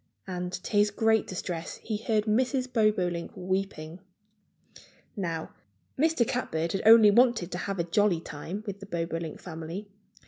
And to his great distress he heard Mrs. Bobolink weeping. Now, Mr. Catbird had only wanted to have a jolly time with the Bobolink family.